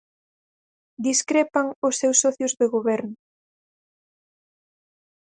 Discrepan os seus socios de Goberno.